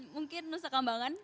mungkin nusa kembangan